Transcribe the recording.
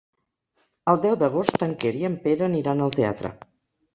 El deu d'agost en Quer i en Pere aniran al teatre.